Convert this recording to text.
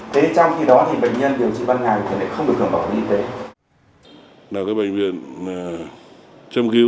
trong khi đó thì bệnh nhân điều trị ban ngày thì không được hưởng bảo hiểm y tế